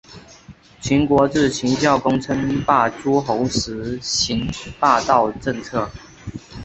秦国自秦孝公称霸诸候时行霸道政策。